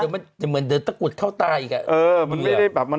เดี๋ยวเหมือนเดินตะกรุษเข้าตาอีก